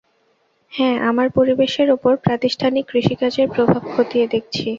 হ্যাঁ, আমরা পরিবেশের ওপর প্রাতিষ্ঠানিক কৃষিকাজের প্রভাব খতিয়ে দেখছি।